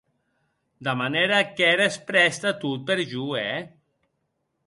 De manèra qu'ères prèst a tot per jo, è?